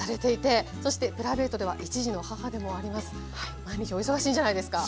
毎日お忙しいんじゃないですか？